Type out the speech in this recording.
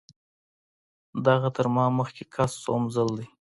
دغه تر ما مخکې کس څووم ځل دی.